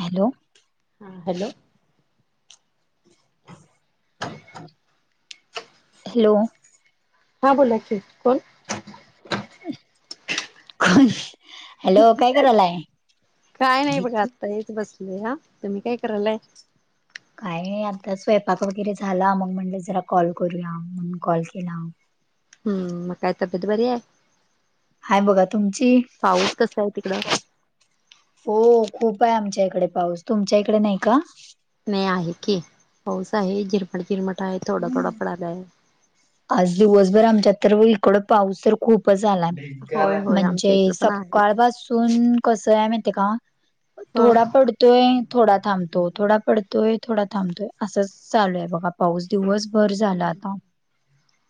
Hello. हा hello. Hello. [inaudible] हा बोला की कोण? हॅलो काय करालाय? आता हेच बसलेय हा, तुम्ही काय करालाय? काय आता स्वयंपाक वगैरे झाला मग म्हणल जरा कॉल करूया म्हणून कॉल केला. मग काय तब्येत बरी हाय? हाय बघा, तुमची? पाऊस कसा आहे तिकडं हो खूप आहे आमच्या इकडे पाऊस, तुमच्या इकडे नाही का? नाही आहे की, पाऊस आहे झिरमट फिरमट आहे थोडं थोडा पडालाय. आज दिवसभर आमच्या तर इकड पाऊस तर खूपच आलाय. होय होय म्हणजे आमच्या इकडे पण आहेच. सकाळ पासून कस आहे माहितिये का हा. थोडा पड तोय, थोडा थांबतो, थोडा पडतोय थोडा थांबतोय, असंच चालूय बघा पाऊस दिवस भर झालं आता.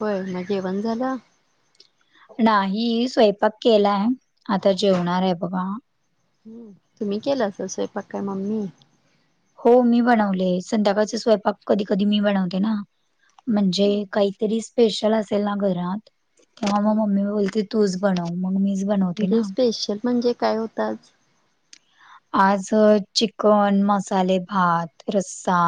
होय म जेवण झालं? नाही स्वयंपाक केलाय आता जेवणार आहे बघा. तुम्ही केल असल स्वयंपाक काय मम्मी? हो मी बनवले, संध्याकाळचे स्वयंपाक कधी कधी मी बनवते ना, हम्म म्हणजे काही तरी स्पेशल असेल ना घरात किं हा मग हम्म मम्मी बोलते तूच बनव, मग मीच बनवते म्हणजे ना. स्पेशल म्हणे काय ताच आज चिकन, मसाले भात, रस्सा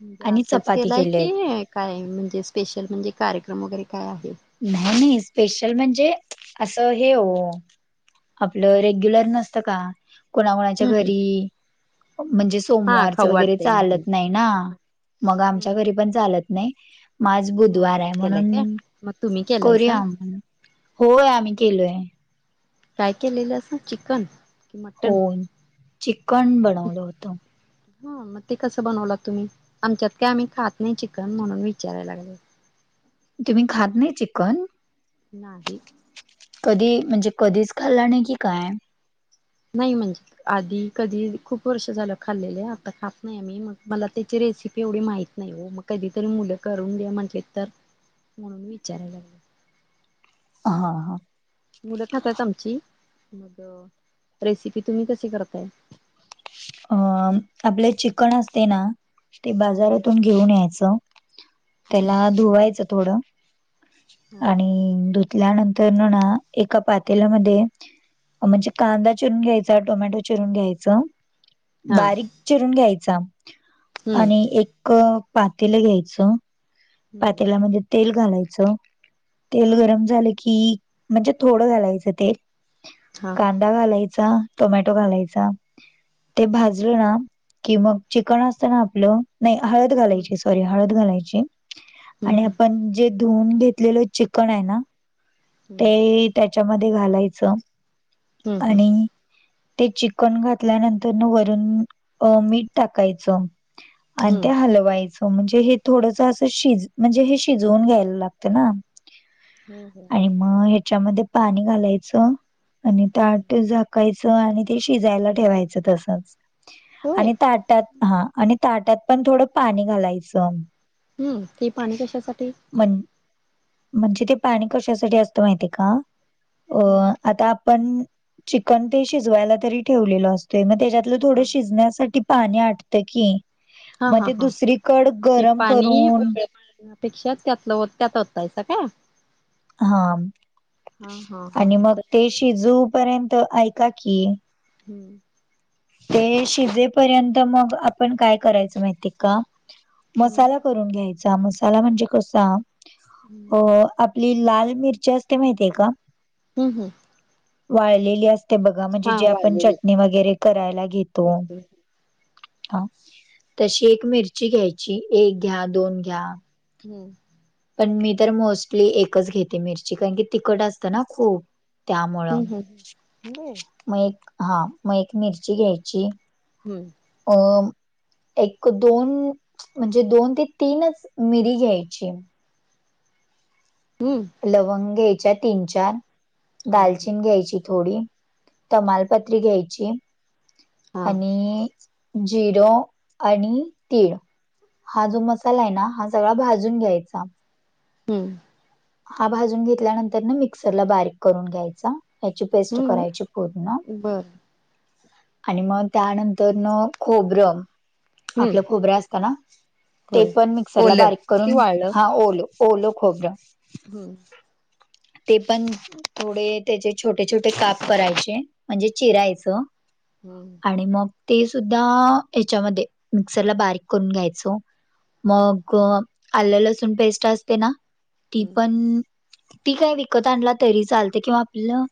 म्हणजे आणि असंच चपाती केलंय केलेत. की काय म्हणजे स्पेशल म्हणजे कार्यक्रम वगैरे काय आहे? नाही नाही स्पेशल म्हणजे असं हे हो आपलं रेग्युलर नसतं का कोणाकोणाच्या हम्म हम्म घरी म्हणजे हा सोमवारच खाऊ वगैरे वाटतंय म्हणून. चालत नाही ना, मग आमच्या हम्म घरी पण चालत नाही, म आज बुधवार हाय आज केलाय म्हणून काय मग तुम्ही के करूया, होय आम्ही केलोय. काय केलेलसा चिकन? कि मटण होय चिकन बनवलं होत. ह मग ते कसं बनवला तुम्ही? आमच्यात काय आम्ही खात नाही चिकन म्हणून विचारायला लागले. तुम्ही खात नाही चिकन? नाही. कधी म्हणजे कधीच खाल्ला नाही की काय? नाही म्हणजे आधी कधी खूप वर्ष झालं खाल्लेले आता खात नाही आम्ही मग मला त्याची रेसिपी एवढी माहिती नाही वो, मग कधीतरी मुलं करून दे म्हटले तर म्हणून विचारायला लागले. हां हां. मुलं खातात आमची, रेसिपी तुम्ही कशी करताय? अ आपले चिकन असते ना ते हम्म बाजारातून घेऊन यायच त्याला धुवायचं थोड. हम्म हा आणि धुतल्यानंतर ना एका पातेलामध्ये. म्हणजे कांदा चिरून घ्यायचा टोमॅटो चिरून घ्यायच. हा बारीक चिरून घ्यायचा हम्म आणि एक पातेल घ्यायचं. हम्म पातेलामध्ये तेल घालायचं तेल हा हा गरम झालं की, म्हणजे थोडं घालायचं तेल हा का ''--'' दा घालायचा टोमॅटो घालायचा. ते भाजलं ना की, मग चिकन असतं ना आपलं. नाही हळद हम्म घालायची सॉरी हळद घालायची. आणि हम्म आपण जे धुन घेतलेलं चिकन आहेना हम्म ते. त्याच्यामध्ये घालायचं हम्म हम्म आणि. ते चिकन घातल्यानंतर न वरून अ मीठ टाकायचं. आणि ते हम्म हलवायचं. म्हणजे हे थोडंस असं शिज म्हणजे हे शिजवून घ्यायला लागत ना. हो हो, आणि मग ह्याच्यामध्ये पाणी घालायचं आणि हम्म. ताट झा''--'' टाकयच आणि ते शिजायला ठेवायचं तसच होय आणि ताटात. हा, आणि ताटात पण थोडं पाणी घालायचं. हम्म, ते पाणी कशासाठी? म्हण''--'' म्हणजे ते पाणी कशासाठी असत माहिती का, अ हम्म. आता आपण. चिकन ते शिजवायला तरी ठेवलेलं असतय, मग त्याच्यातलं थोडं हा शिजण्यासाठी. पाणी आटत की, हा मग हा ते हा दुसरीकड गरम करून. त्या पेक्षा त्यातलं -त्यात होतायच का? हा, हा हा आणि मग असं ते शिजू पर्यंत ऐका की, हम्म, ते शिजेपर्यंत मग आपण काय करायचं माहिती का? हम्म मसाला. करुण घ्यायचा मसाला म्हणजे कसा हम्म अप ''--'' ली लाल मिरची असते माहिते का? हम्म हम्म, वाळलेली असते बघा म्हणजे हा जे आपण वाळलेली चटणी वगेरे करायला घेतो. करते हा, तशी एक मिरची घ्यायची एक घ्या दोन घ्या. हम्म, पण मी तर मोस्टली एकच घेते मिरची कारण की, तिकट असतं ना खूप. हम्म त्यामुळं हम्म होय मग एक हा मग एक मिरची घ्यायची. हम्म, ''अं'' एक दोन म्हणजे दोन ते तीनच मिरी घ्यायची. हम, लवंग घ्यायच्या तीन चार हा हा दालचीन घ्यायची थोडी. तमालपत्री घ्यायची हा आणि. जीर आणि तीळ. हा, जो मसाला आहे ना हा सगळा भाजून घ्यायचा. हम्म, हा भाजून घेतल्यानंतर न मिक्सरला बारीक करून घ्यायचा. त्याची पेस्ट हम्म करायची पूर्ण. बरं आणि मग, त्यानंतरन खोबरं हम्म आपलं खोबर असतं ना, ते होय पण मिक्सरला ओलं बारीक की करून, वाळलं हा ओलं ओलं खोबरं. हुं.. ते पण थोडे त्याचे छोटे -छोटे काप करायचे, म्हणजे चिरायचं. हं... आणि मग ते सुद्धा हेच्यामध्ये मिक्सरला बारीक करून घ्यायचो. मग, आलं लसूण पेस्ट असते ना, ती हम्म पण ती काय विकत आणला तरी चालतंय किंवा आपलं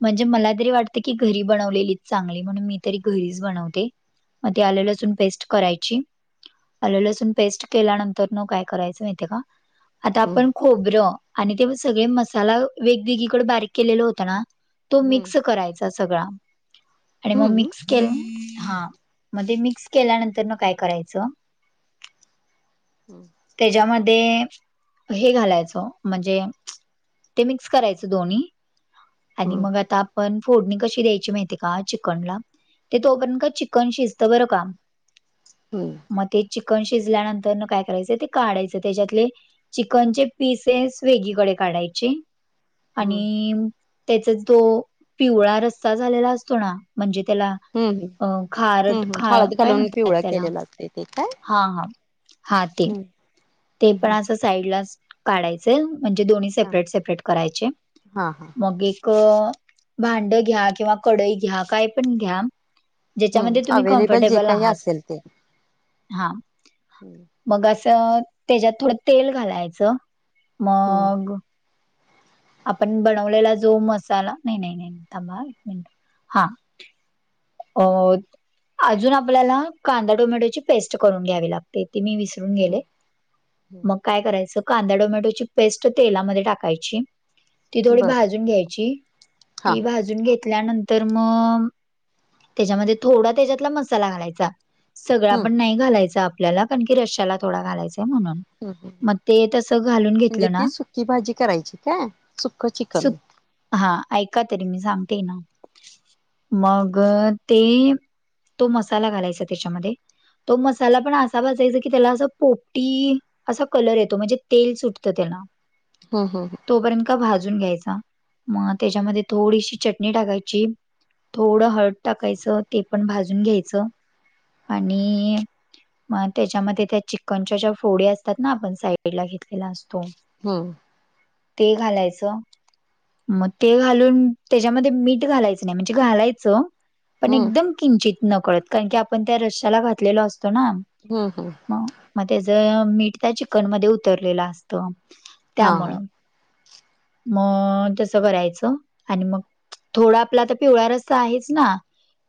म्हणजे मला तरी वाटतं की, घरी बनवलेली चांगली म्हणून मी तरी घरीच बनवते. मग ते आलं -लसुण पेस्ट करायची. अल्लं- लसूण पेस्ट केल्यानंतरनं काय करायचं माहितीय का? आता हम्म आपण खोबरं आणि ते सगळे मसाला वेगवेगळीकडे बारीक केलेला होतं ना, तो हम्म मिक्स करायचा सगळा आणि मग हम्म मिक्स केलं हा म ते मिक्स केल्यानंतरनं काय करायचं, [unintelligible] हम् त्याच्यामध्ये हे घालायचं म्हणजे ते मिक्स करायचं दोन्ही आणि हम्म मग आता आपण फोडणी कशी द्यायची माहितीये का चिकनला? ते तो पर्यत काय चिकन शिजतं बरं का. हं... मग ते चिकन शिजल्यानंतरनं काय करायचं ते काढायचं त्याच्यातले चिकनचे पीसेस वेगळीकडे काढायचे हम्म आणि त्याचा तो पिवळा रस्सा झालेला असतो ना म्हणजे त्याला हम् हम् अ खारट हम् हम् खा हळद काय घालून म्हणतात पिवळा त्याला केलेला असतयं ते काय? हा. हा. हा. ते हम्म ते हम्म पण हम्म असं साईडलाच काढायचं म्हणजे दोन्ही हा सेपरेट- सेपरेट करायचे हा हा मग एक, क भांडं घ्या किंवा कडई घ्या काय पण घ्या. हम्म ज्याच्यामध्ये तुम्ही अवेलेबल जे कम्फर्टेबल काही आहात असेल ते हा. हम्म मग अस त्याज्यात थोडं तेल घालायचं, मग हं.. गं.. आपण बनवलेला जो मसाला, नाही -नाही -नाही थांबा हं एक मिंट. हा.. अ अजून आपल्याला कांदा टोमॅटोची पेस्ट करून घ्यावी लागते, ती मी विसर रून हम्म गेले मग काय करायचं कांदा टोमॅटोची पेस्ट तेलामध्ये टाकायची. ती थोडी बर भाजून घ्यायची, हा ती भाजून घेतल्यानंतर मग त्याच्यामध्ये थोडा तेज्यातला मसाला घालायचा सगळा हम्म हम्म पण नाही. घालायचा आपल्याला कारण की रश्शाला थोडा घालायचाय म्हणून. हु. हु.. मग ते तसं घालून म्हणजे घेतलं ना ती सुक्की भाजी करायची काय सुक्कं चिकन. सुक हा ऐका तरी मी सांगते ना, मग ते तो मसाला घालायचा त्याच्यामध्ये. तो मसाला पण असा भाजायचा की त्याला असं पोपटी अस कलर येतो म्हणजे तेल सुटतं त्याला. हम हम ह तोपर्यंत भाजून घ्यायचा मग त्याच्यामध्ये थोडीशी चटणी टाकायची. थोडं हळद टाकायचं ते पण भाजून घ्यायचं आणि मग त्याच्यामध्ये त्या चिकनच्या ज्या फोड्या असतात ना आपण साईडला घेतलेला असतो. हम ते घालायचं मग ते घालून त्याच्यामध्ये मीठ घालायचं नाही म्हणजे घालायचं पण एकदम किंचित न कळत कारण की आपण त्या रश्याला घातलेलो असतो ना. हम हम म मग त्याच मीठ त्या चिकन मधे उतरलेलं असत हा त्यामुळं हम्म मग तस करायचं आणि मग थोडा आपला तर पिवळा रसा आहेच ना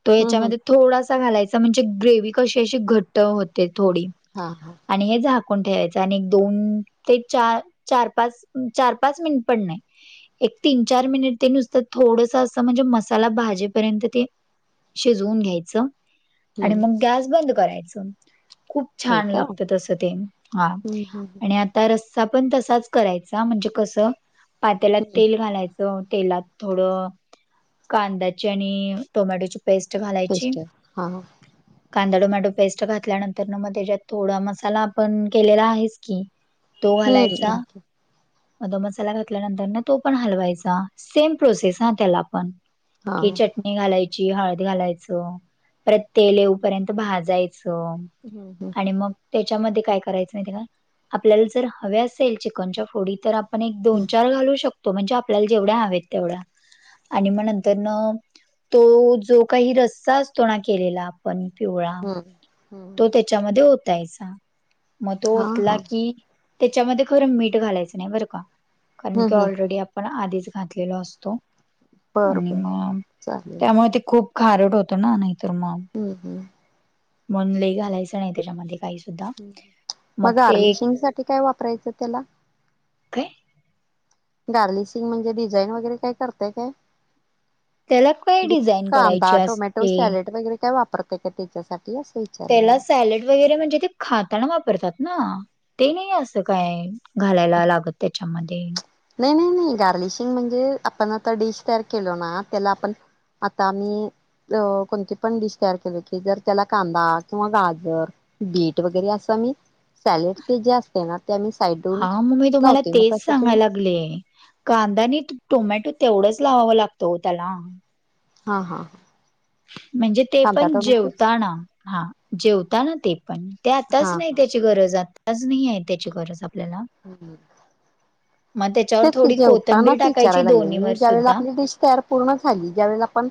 तो हम्म याच्यामध्ये थोडासा घालायचा म्हणजे ग्रेवी कशी अशी घट होते थोडी. हां हां आणि हे झाकून ठेवायचं आणि एक दोन ते चार चार पाच चार पाच मिनिट पन नाही एक तीन चार मिनिट ते नुसतात थोडस असं म्हणजे मसाला भाजेपर्यंत ते शिजवून घ्यायचं आणि हम्म मग गॅस बंद करायचं खूप होय छान का हम्म लागत तसं ते हा हम्म हम्म आणि आणि ता रस्सा पण तसाच करायचा म्हणजे कसं पात्याला हम्म तेल घालायच तेलात थोड कांद्याची आणि टोमॅटोची पेस्ट घालायची बेस्ट आहे हा कांदा टोमॅटो पेस्ट घातल्यानंतर ना मग त्याच्यात थोडा मसाला आपण केलेला आहेच की तो हम्म घालायचा. आणखी मध मसाला घातल्यानंतर ना तो पण हलवायचा सेम प्रोसेस हा त्याला पण हा की हम्म च चटणी घालायची हळद घालायचं प्रत्ये तेल येऊ पर्यंत भाजायचं हम्म आणि मग त्याच्यामध्ये काय करायचं महिती का आपल्याला जर हवे असेल चिकनच्या फोडी तर पण एक दोन हम्म चार घालू शकतो म्हणजे आपल्याला जेवढ्या हवेत तेवढ्या आणि मग नंतर न तो जो काही रस्सा असतो ना केलेला पण पिवळा हम्म हम्म तो त्याच्यामध्ये ओतायचा मग तो हा हा ओतला की त्याच्यामध्ये खरं मीठ घालायचं नाही बरं का कारण हम्म की हम्म ऑलरेडी पण आधीच घातलेलो असतो बरं आणि बर मग चालेल त्यामुळे ते खूप खारड होतो ना नाहीतर मग हम हम मन ल घालायचं नाही त्याच्यामध्ये काहीच मग आर्लिशिंग साठी काय वापरायचं त्याला? काय गार्लिशिंग म्हणजे डिझाईन वगैरे काय करतय काय त्याला काय म्हणजे डिझाईन कांदा करायची टोमॅटो असते सॅलेड वगैरे काय वापरते का त्याच्यासाठी विचारायला त्याला लागले. सॅलेड वगैरे म्हणजे ते खाताना वापरतात ना ते नाही असं काय घालायला लागत त्याच्यामध्ये नाही नाही नाही गार्लिशिंग म्हणजे आपण आता डिश तयार केलो ना त्याला आपण आता आम्ही अ कोणती पण डिश तयार केली की जर त्याला कांदा किंवा गाजर बीट वगैरे असा मी, सॅलेड ते जे असते ना, ते आम्ही साईडून हा मग मी तुम्हाला लावते मग तेच तसं तुम्ही, सांगायला कांदा न टोमॅटो तेवढंच लावावं लागत हो त्याला, हां हां हां म्हणजे ते पण जेवताना, हा जेवताना ते पण ते आताच हा नाही त्या ची गरज आताच नाही आहे त्याची गरज आपल्याला, मग त्याच्यावर तेच की, थोडी कोथंबीर जेवतानाच टाकायची विचाराय दोन्हीवर लागेल ज्या वेला सुद्धा आपली डिश तर पूर्ण झाली. ज्यावेळी आपण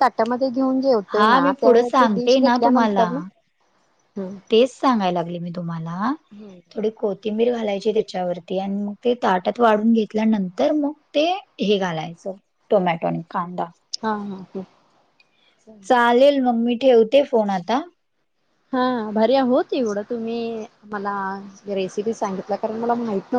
ताटमध्ये घेऊन घेऊ जे हा मी पुढं सांगते ना तुम्हाला, ना तेच सांगायला लागले मी तुम्हाला, हम्म थोडी कोथिंबीर घालायची. त्याच्यावरती आणि मग ते ताटात वाढून घेतल्यानंतर मग ते, हे घालायचं टोमॅटो आणि कांदा हा हा चालेल मग मी ठेवते, फोन आता हा आभारी आहोत. एवढं तुम्ही मला रेसिपी सांगितला कारण मला माहित नव्हतं.